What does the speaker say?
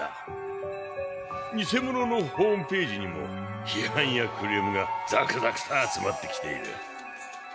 ニセモノのホームページにも批判やクレームが続々と集まってきている。